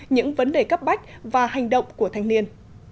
những vấn đề cấp bách và hành động của thanh niên